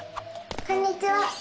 こんにちは！